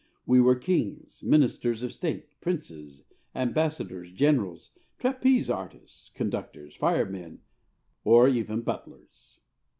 We were kings, ministers of state, princes, ambassadors, generals, trapeze artists, conductors, firemen, or even butlers.